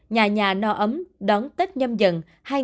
nhà nhà no ấm đón tết nhâm dần hai nghìn hai mươi